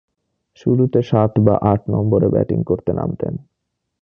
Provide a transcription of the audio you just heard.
শুরুতে সাত বা আট নম্বরে ব্যাটিং করতে নামতেন।